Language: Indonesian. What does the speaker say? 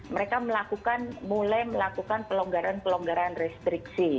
mereka melakukan mulai melakukan pelonggaran pelonggaran restriksi